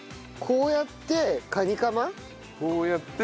こうやってカニカマ。